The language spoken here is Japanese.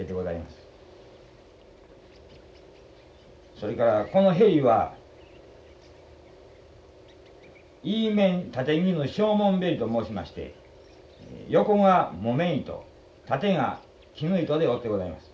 それからこの縁は緯綿経絹小紋縁と申しまして横が木綿糸縦が絹糸で織ってございます。